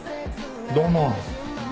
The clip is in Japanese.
どうも。